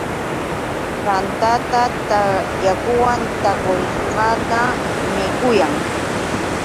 Tantatam yakuwan takurachishqata mikuyan.